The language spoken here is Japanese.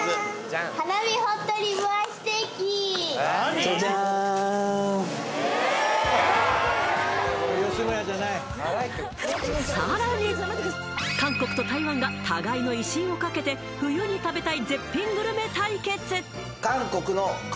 ジャジャーン韓国と台湾が互いの威信をかけて冬に食べたい絶品グルメ対決！